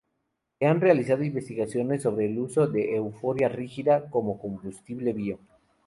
Se han realizado investigaciones sobre el uso de "Euphorbia rigida" como combustible bio.